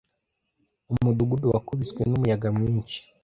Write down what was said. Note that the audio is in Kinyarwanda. umudugudu wakubiswe n'umuyaga mwinshi